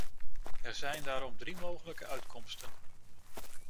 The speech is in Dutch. Er zijn daarom drie mogelijke uitkomsten.